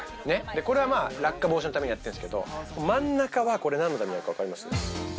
これは落下防止のためにやってるんですけど、真ん中は、これ何のためにあるかわかります。